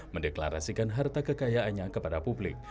mendeklarasikan harta kekayaannya kepada publik